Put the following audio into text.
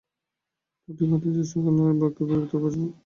প্রতীক অর্থে যে- সকল বস্তু ব্রহ্মের পরিবর্তে উপাসনার যোগ্য।